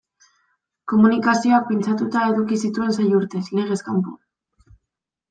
Komunikazioak pintxatuta eduki zituen sei urtez, legez kanpo.